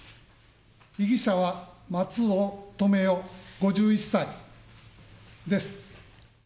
被疑者は松尾留与５１歳です。